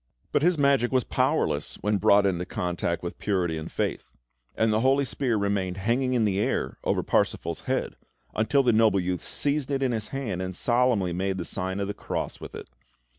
But his magic was powerless when brought into contact with purity and faith; and the holy spear remained hanging in the air over Parsifal's head, until the noble youth seized it in his hand, and solemnly made the sign of the Cross with it.